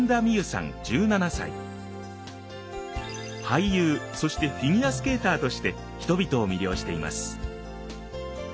俳優そしてフィギュアスケーターとして人々を魅了しています。